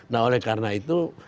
nah oleh karena itu